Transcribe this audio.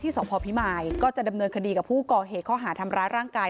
สพพิมายก็จะดำเนินคดีกับผู้ก่อเหตุข้อหาทำร้ายร่างกาย